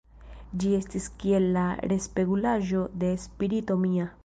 Ĝi estis kiel la respegulaĵo de spirito mia.